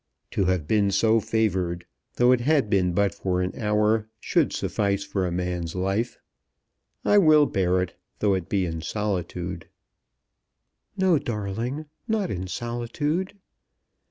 To have been so favoured, though it had been but for an hour, should suffice for a man's life. I will bear it, though it be in solitude." "No, darling; not in solitude."